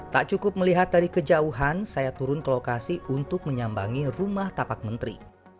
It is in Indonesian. tak cukup melihat dari kejauhan saya turun ke lokasi untuk menyambangi rumah tapak menteri